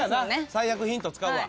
最悪ヒント使うわ。